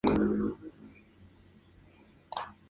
Ambos son compositores, autores y productores de sus canciones.